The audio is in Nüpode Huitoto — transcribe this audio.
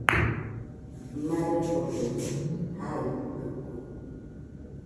Marefododo jaitɨkue